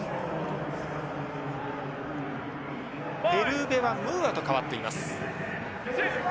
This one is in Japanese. ヘルウヴェはムーアと代わっています。